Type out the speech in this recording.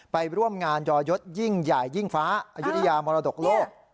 ไปร่วมงานยอยศยิ่งใหญ่ยิ่งฟ้าอายุทยามรดกโลก